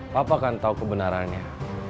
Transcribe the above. papa kan tahu kebenarannya